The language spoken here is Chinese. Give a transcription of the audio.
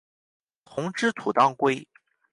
丛枝土当归